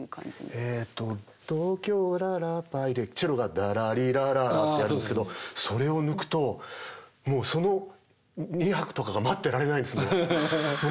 えっと「東京ららばい」でチェロが「ダラリラララ」ってやるんですけどそれを抜くともうその２拍とかが待ってられないんですもう。